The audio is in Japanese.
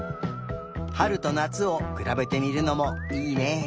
はるとなつをくらべてみるのもいいね。